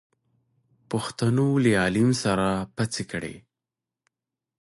پښتنو له عليم سره پڅې کړې.